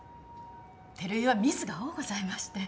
照井はミスが多うございまして。